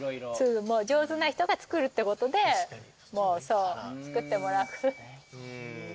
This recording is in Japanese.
上手な人が作るってことでもうそう作ってもらう。